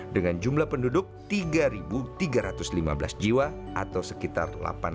dengan jumlah penduduk tiga tiga ratus lima belas jiwa atau sekitar delapan ratus